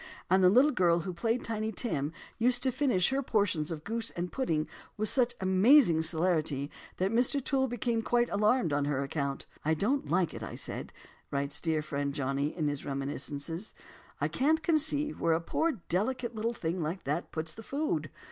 And the little girl who played Tiny Tim used to finish her portions of goose and pudding with such amazing celerity that Mr. Toole became quite alarmed on her account. "'I don't like it,' I said," writes dear friend "Johnny," in his Reminiscences; "'I can't conceive where a poor, delicate little thing like that puts the food.